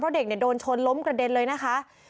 เพราะเด็กเนี่ยโดนชนล้มกระเด็นเลยนะคะ